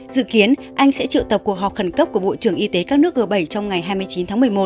dự kiến anh sẽ triệu tập cuộc họp khẩn cấp của bộ trưởng y tế các nước g bảy trong ngày hai mươi chín tháng một mươi một